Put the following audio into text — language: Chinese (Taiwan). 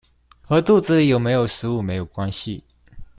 和肚子裡有沒有食物沒有關係